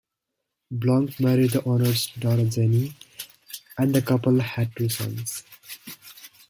Blanc married the owner's daughter Jenny, and the couple had two sons.